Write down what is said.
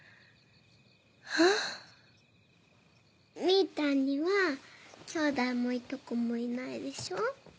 みぃたんにはきょうだいもいとこもいないでしょ？